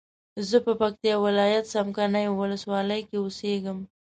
زه په پکتیا ولایت څمکنیو ولسوالۍ کی اوسیږم